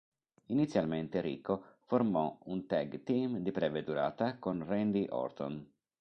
Inizialmente Rico formò un tag team di breve durata con Randy Orton.